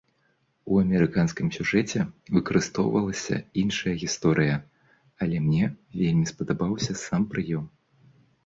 У амерыканскім сюжэце выкарыстоўвалася іншая гісторыя, але мне вельмі спадабаўся сам прыём.